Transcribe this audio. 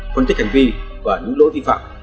quan tích hành vi và những lỗi vi phạm